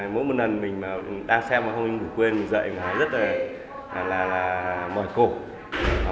mỗi lần mình đang xem một hôm mình ngủ quên mình dậy mình hỏi rất là mời cổ